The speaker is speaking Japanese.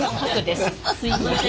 すいません。